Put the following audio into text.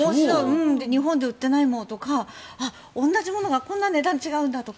日本で売ってないものとか同じものがこんな値段違うんだとか。